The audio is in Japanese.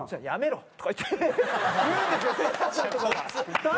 「やめろ！